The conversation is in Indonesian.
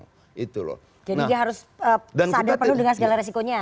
jadi dia harus sadar penuh dengan segala resikonya